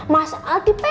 mas al dipepek